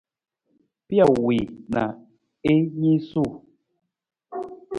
Pijo wii na i niisuu.